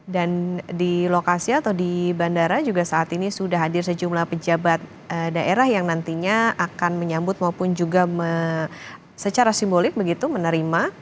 dan di lokasi atau di bandara juga saat ini sudah hadir sejumlah pejabat daerah yang nantinya akan menyambut maupun juga secara simbolik menerima